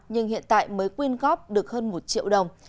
nhưng hiện tại mới quyên góp được hơn một triệu đồng